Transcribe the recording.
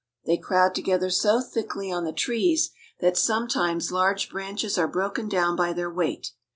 They crowd together so thickly on the trees that sometimes large branches are broken down by their weight.